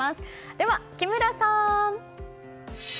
では木村さん！